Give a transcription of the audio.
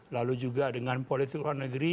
lalu juga dengan politik luar negeri